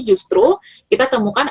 justru kita temukan